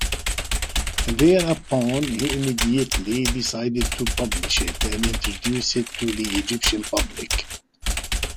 Thereupon, he immediately decided to publish it and introduce it to the Egyptian public.